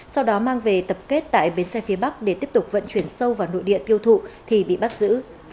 sau đó mang về tập kết tại bến xe phía bắc để tiếp tục vận chuyển sâu vào nội địa tiêu thụ thì bị bắt giữ